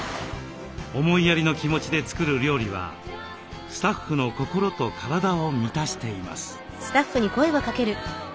思いやりの気持ちで作る料理はスタッフの心と体を満たしています。